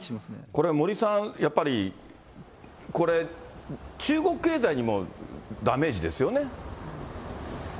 これ森さん、やっぱりこれ中国経済にも、ダメージですよね。